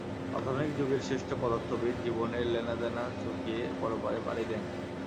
আধুনিক যুগের শ্রেষ্ঠ পদার্থবিদ জীবনের লেনাদেনা চুকিয়ে পরপারে পাড়ি দেন।